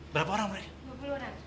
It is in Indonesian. berapa orang mereka